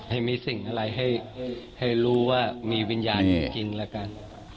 ให้มีสิ่งอะไรให้รู้ว่ามีวิญญาณจริงแล้วกัน